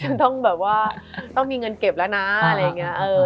ต้องแบบว่าต้องมีเงินเก็บแล้วนะอะไรอย่างนี้